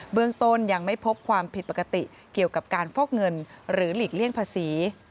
เรื่องต้นยังไม่พบความผิดปกติเกี่ยวกับการฟอกเงินหรือหลีกเลี่ยงภาษี